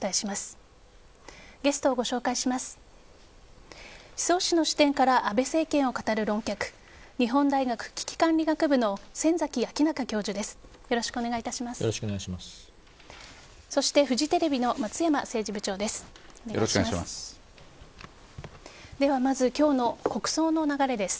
そして、フジテレビの松山政治部長です。